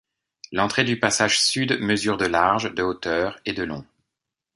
L'entrée du passage sud mesure de large, de hauteur et de long.